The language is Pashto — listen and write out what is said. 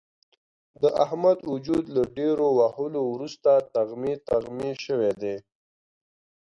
د احمد وجود له ډېرو وهلو ورسته تغمې تغمې شوی دی.